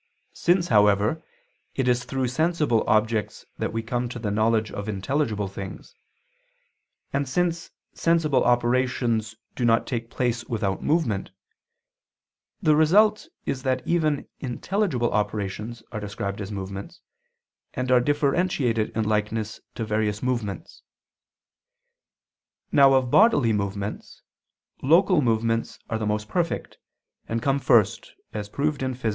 Since, however, it is through sensible objects that we come to the knowledge of intelligible things, and since sensible operations do not take place without movement, the result is that even intelligible operations are described as movements, and are differentiated in likeness to various movements. Now of bodily movements, local movements are the most perfect and come first, as proved in _Phys.